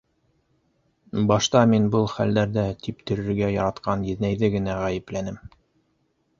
Башта мин был хәлдәрҙә типтерергә яратҡан еҙнәйҙе генә ғәйепләнем.